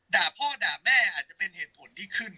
ด่าพ่อด่าแม่อาจจะเป็นเหตุผลที่ขึ้น